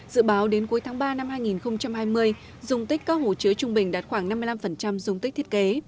dự báo đến cuối tháng ba năm hai nghìn hai mươi dùng tích các hồ chứa trung bình đạt khoảng năm mươi năm dung tích thiết kế